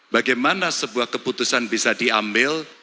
bagaimana sebuah keputusan bisa diambil